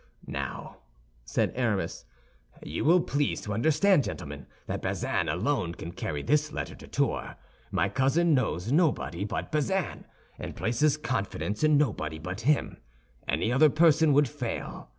"Now," said Aramis, "you will please to understand, gentlemen, that Bazin alone can carry this letter to Tours. My cousin knows nobody but Bazin, and places confidence in nobody but him; any other person would fail.